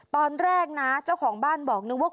ตอนแรกนะเจ้าของบ้านบอกนึกว่า